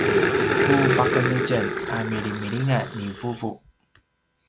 ku paqenetjen a milimilingan ni vuvu